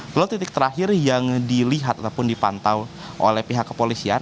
pulau titik terakhir yang dilihat ataupun dipantau oleh pihak kepolisian